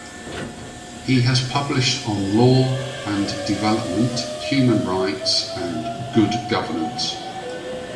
He has published on Law and Development, Human Rights, and Good Governance.